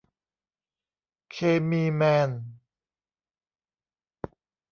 เคมีแมน